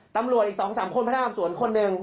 ตำรวจอีก๒๓คนพนักงานสวนคนหนึ่ง